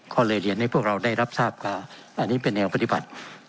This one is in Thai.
ก็เลยเรียนให้พวกเราได้รับทราบกันอันนี้เป็นแนวปฏิบัติ